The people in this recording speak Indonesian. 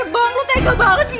bang lu tega banget sih